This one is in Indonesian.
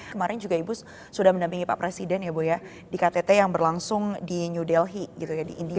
kemarin juga ibu sudah mendampingi pak presiden ya bu ya di ktt yang berlangsung di new delhi gitu ya di india